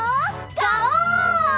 ガオー！